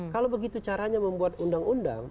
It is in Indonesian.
kalau begitu caranya membuat undang undang